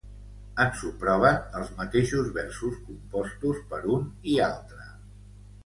Ens ho proven els mateixos versos compostos per un i altre.